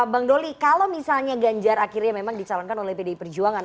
bang doli kalau misalnya ganjar akhirnya memang dicalonkan oleh pdi perjuangan